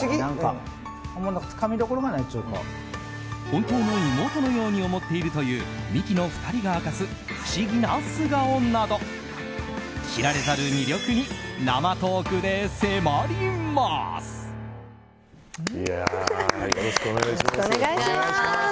本当の妹のように思っているというミキの２人が明かす不思議な素顔など知られざる魅力に生トークで迫ります。